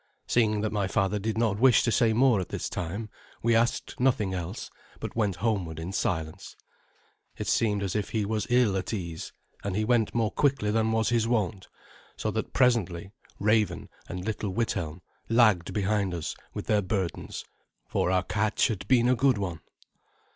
Seeing that my father did not wish to say more at this time, we asked nothing else, but went homeward in silence. It seemed as if he was ill at ease, and he went more quickly than was his wont, so that presently Raven and little Withelm lagged behind us with their burdens, for our catch had been a good one.